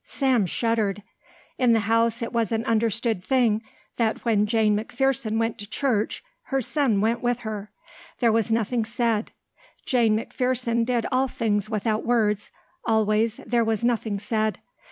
Sam shuddered. In the house it was an understood thing that when Jane McPherson went to church her son went with her. There was nothing said. Jane McPherson did all things without words, always there was nothing said.